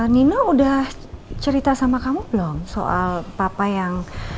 nino udah cerita sama kamu belum soal papa yang